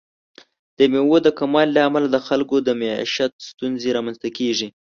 د میوې د کموالي له امله د خلکو د معیشت ستونزې رامنځته کیږي.